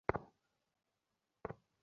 বাচ্চা মেয়েরা দেখতে কেমন?